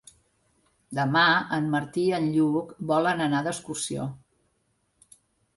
Demà en Martí i en Lluc volen anar d'excursió.